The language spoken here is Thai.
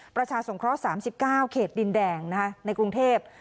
ประชาสงเคราะห์๓๙เขตดินแดงในกรุงเทพ